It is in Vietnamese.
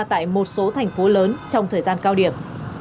tại một số thành phố lớn trong thời gian cao điểm